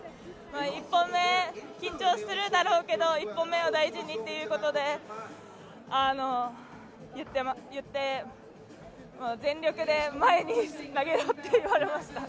１本目、緊張するだろうけど１本目を大事にっていうことで全力で前に投げろって言われました。